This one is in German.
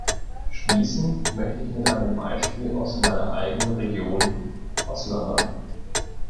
Schließen möchte ich mit einem Beispiel aus meiner eigenen Region, aus London.